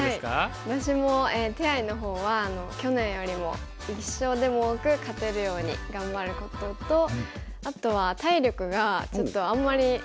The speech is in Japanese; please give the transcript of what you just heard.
私も手合の方は去年よりも１勝でも多く勝てるように頑張ることとあとは体力がちょっとあんまりないので。